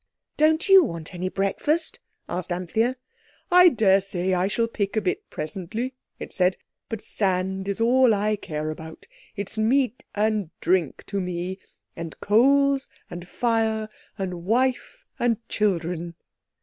"Don't you want any breakfast?" asked Anthea. "I daresay I shall pick a bit presently," it said; "but sand is all I care about—it's meat and drink to me, and coals and fire and wife and children."